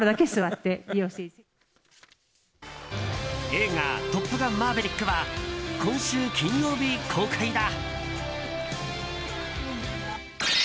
映画「トップガンマーヴェリック」は今週金曜日、公開だ。